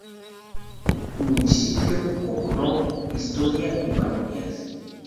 Municipio Boconó Historia y Parroquias.